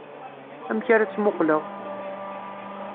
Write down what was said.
Amek ara tt-muqleɣ?